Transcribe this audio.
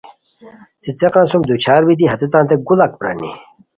څیڅیقان سُم دوچھار بیتی ہیتانتے گوڑاک پرانی